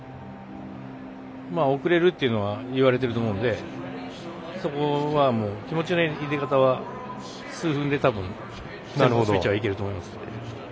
遅れるっていうのは言われていると思うのでそこは気持ちの入れ方は数分でピッチャーはいけると思います。